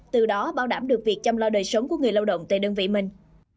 từ đó bảo đảm được việc chăm lo đời sống của người lao động tại đơn vị mình